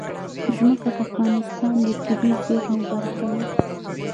ځمکه د افغانستان د طبیعي زیرمو برخه ده.